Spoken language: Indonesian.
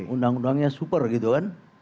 undang undangnya super gitu kan